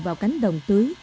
vào cánh đồng tưới